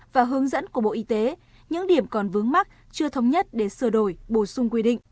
và hướng dẫn của bộ y tế những điểm còn vướng mắt chưa thống nhất để sửa đổi bổ sung quy định